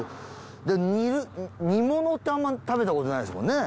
で煮る煮物ってあんま食べたことないですもんね？